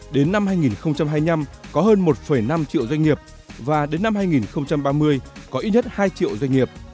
đến năm hai nghìn hai mươi năm có hơn một năm triệu doanh nghiệp và đến năm hai nghìn ba mươi có ít nhất hai triệu doanh nghiệp